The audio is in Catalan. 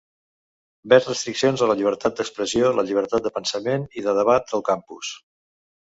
Veig restriccions a la llibertat d"expressió, la llibertat de pensament i de debat al campus.